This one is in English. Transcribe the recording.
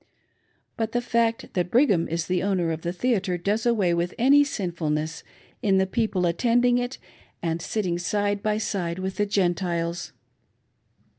But the fact that Brigham is the owner of the theatre does away with any sin^ fulness in the people attending it and sitting side by side with the Gentiles.